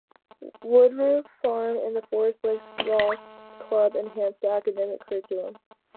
Woodroof Farm and the Forest Lakes Golf Club enhance the academic curriculum.